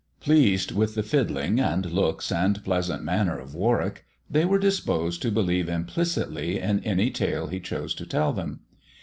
Pleased with the fiddling, and looks, and pleasant manner of Warwick, they were disposed to believe implicitly in any tale he chose to tell them.